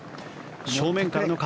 正面からの風。